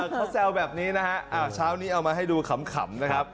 เขาแซวแบบนี้นะฮะเช้านี้เอามาให้ดูขำนะครับ